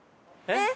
えっ！